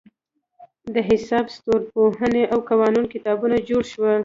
د حساب، ستورپوهنې او قانون کتابونه جوړ شول.